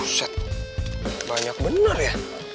buset banyak bener ya